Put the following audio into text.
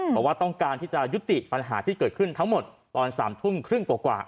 เพราะว่าต้องการที่จะยุติปัญหาที่เกิดขึ้นทั้งหมดตอน๓ทุ่มครึ่งกว่า